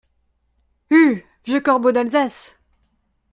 Hue ! vieux corbeau d’Alsace !…